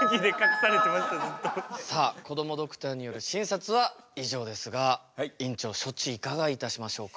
さあこどもドクターによる診察は以上ですが院長処置いかがいたしましょうか？